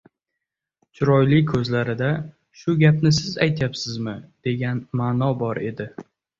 Chiroyli ko‘zlarida «shu gapni siz aytyapsizmi?» degan ma’no bor edi.